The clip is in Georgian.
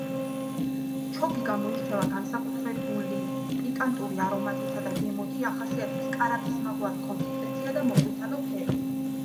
ჩოგი გამოირჩევა განსაკუთრებული პიკანტური არომატითა და გემოთი, ახასიათებს კარაქის მაგვარი კონსისტენცია და მოყვითალო ფერი.